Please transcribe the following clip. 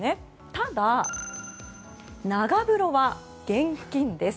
ただ、長風呂は厳禁です。